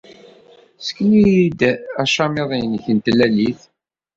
Ssken-iyi-d acamiḍ-nnek n tlalit.